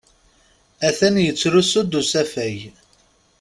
Atan yettrusu-d usafag.